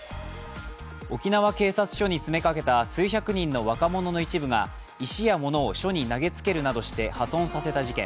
沖縄警察署に詰めかけた数百人の若者の一部が石や物を署に投げつけるなどして破損させた事件。